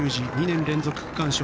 ２年連続区間賞。